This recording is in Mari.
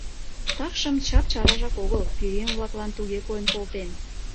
Такшым, чап-чаражак огыл — пӧръеҥ-влаклан туге койын колтен.